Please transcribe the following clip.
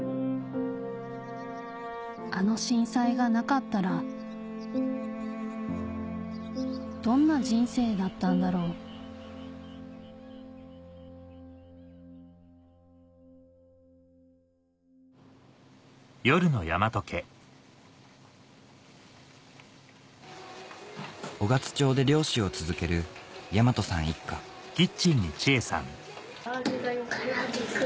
あの震災がなかったらどんな人生だったんだろう雄勝町で漁師を続ける大和さん一家唐揚げだよ。